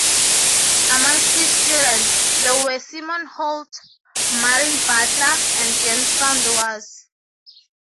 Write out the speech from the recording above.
Amongst his students there were Simon Holt, Martin Butler and James Saunders.